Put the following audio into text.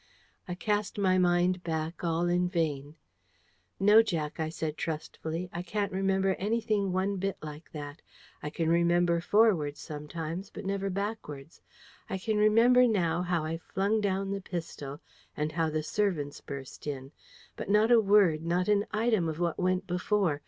I cast my mind back all in vain. "No, Jack," I said trustfully. "I can't remember anything one bit like that. I can remember forward, sometimes, but never backwards. I can remember now how I flung down the pistol, and how the servants burst in. But not a word, not an item, of what went before.